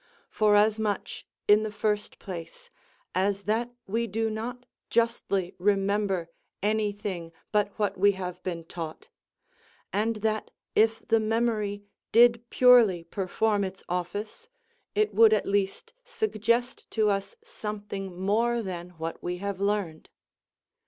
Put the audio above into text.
Forasmuch, in the first place, as that we do not justly remember any thing but what we have been taught, and that if the memory did purely perform its office it would at least suggest to us something more than what we have learned.